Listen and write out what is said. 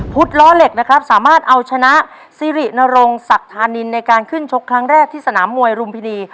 ล้อเหล็กนะครับสามารถเอาชนะสิรินรงศักธานินในการขึ้นชกครั้งแรกที่สนามมวยรุมพินี